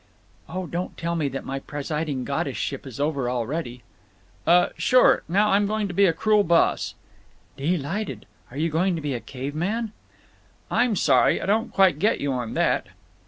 "Oh, don't tell me that my presiding goddessship is over already." "Uh—sure! Now I'm going to be a cruel boss." "Dee lighted! Are you going to be a caveman?" "I'm sorry. I don't quite get you on that."